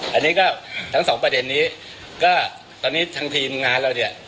อันนี้ก็ทั้งสองประเด็นนี้ก็ตอนนี้ทางทีมงานเราเนี่ย